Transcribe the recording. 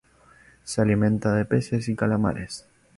Se alimentan de peces y calamares.